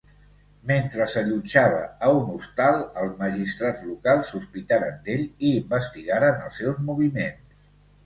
Mentre s'allotjava a un hostal, els magistrats locals sospitaren d'ell i investigaren els seus moviments.